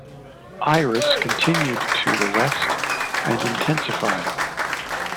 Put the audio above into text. Iris continued to the west and intensified.